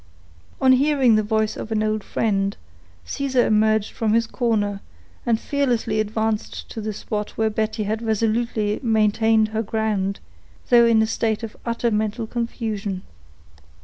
On hearing the voice of an old friend, Caesar emerged from his corner, and fearlessly advanced to the spot where Betty had resolutely maintained her ground, though in a state of utter mental confusion.